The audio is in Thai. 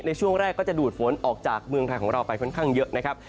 ในช่วงแรกก็จะดูดฝนออกจากเมืองไทยของเราไปค่อนข้างเยอะนะครับ